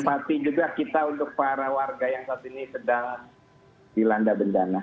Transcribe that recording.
menikmati juga kita untuk para warga yang saat ini sedang dilanda bencana